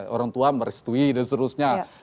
orang tua merestui dan seterusnya